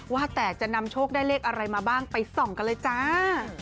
ว่าแต่จะนำโชคได้เลขอะไรมาบ้างไปส่องกันเลยจ้า